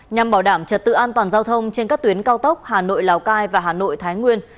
nhằm bảo đảm trật tự an toàn giao thông trên các tuyến cao tốc hà nội lào cai và hà nội thái nguyên